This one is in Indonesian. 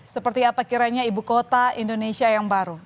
seperti apa kiranya ibu kota indonesia yang baru